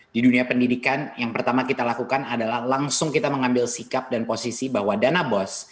di dunia pendidikan yang pertama kita lakukan adalah langsung kita mengambil sikap dan posisi bahwa dana bos